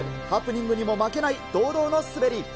ハプニングにも負けない堂々の滑り。